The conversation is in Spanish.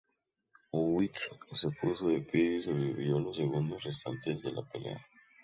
Whyte se puso de pie y sobrevivió los segundos restantes de la pelea.